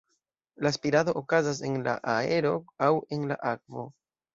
La spirado okazas en la aero aŭ en la akvo.